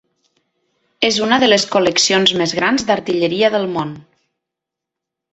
És una de les col·leccions més grans d'artilleria del món.